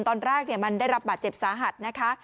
ตอนแรกมันได้รับบาดเจ็บสาหัสนะคะ